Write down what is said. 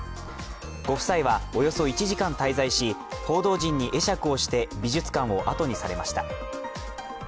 ご夫妻はおよそ１時間滞在し、報道陣に会釈をして美術館を後にされました。